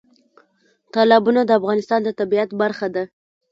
تالابونه د افغانستان د طبیعت برخه ده.